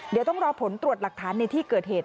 เดี๋ยวต้องรอผลตรวจหลักฐานในที่เกิดเหตุ